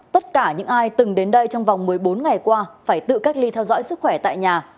tất cả những ai từng đến đây trong vòng một mươi bốn ngày qua phải tự cách ly theo dõi sức khỏe tại nhà